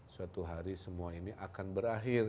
suatu hari semua ini akan berakhir